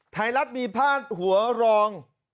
ไทรลัฐหัวหลอง